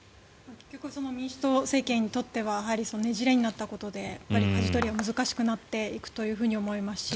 結局民主党政権にとってはねじれになったことでかじ取りが難しくなっていくと思いますし